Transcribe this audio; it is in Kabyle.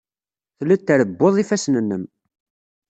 Telliḍ trebbuḍ ifassen-nnem.